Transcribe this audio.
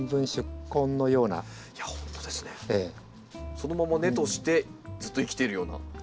そのまま根としてずっと生きているような。